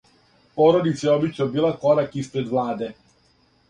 Породица је обично била корак испред владе.